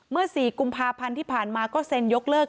เมื่อสี่กุมภาพันธ์ที่ผ่านมาก็เซ็นยกเลิก